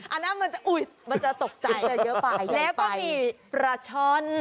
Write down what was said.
อันนั้นมันจะตกใจเยอะไปแล้วก็มีปลาช้อน